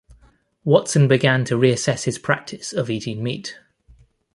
Watson began to reassess his practice of eating meat.